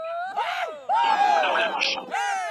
لکه پل غوندي په لار کي پاتېده دي